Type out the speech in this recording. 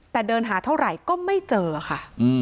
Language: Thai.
แต่เดินหาเท่าไหร่ก็ไม่เจอค่ะ